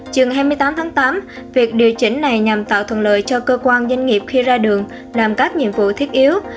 chừng hai mươi tám tháng tám việc điều chỉnh này nhằm tạo thuận lợi cho cơ quan doanh nghiệp khi ra đường làm các nhiệm vụ thiết yếu